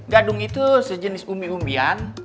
gadung itu sejenis umbi umbian